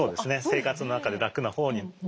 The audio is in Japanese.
生活の中で楽な方に。